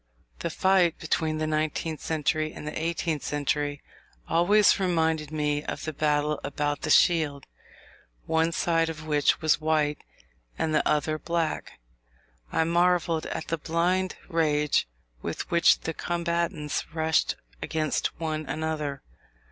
The fight between the nineteenth century and the eighteenth always reminded me of the battle about the shield, one side of which was white and the other black. I marvelled at the blind rage with which the combatants rushed against one another.